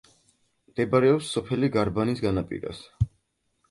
მდებარეობს სოფელ გარბანის განაპირას.